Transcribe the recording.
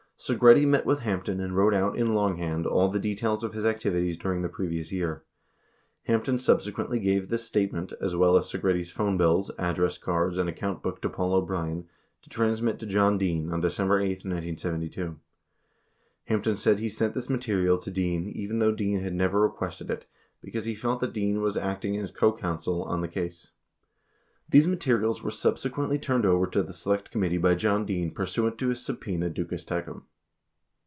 84 Segretti met with Hampton and wrote out in longhand all the details of his activities during the previous year. Hampton subse quently gave this statement, as well as Segretti's phone bills, address cards, and account book to Paul O'Brien to transmit to John Dean on December 8, 1972. 85 Hampton said he sent this material to Dean even though Dean had never requested it because he felt that Dean was acting as co counsel on the case. 86 These materials were sub sequently turned over to the Select Committee by John Dean pur suant to a subpena duces tecum.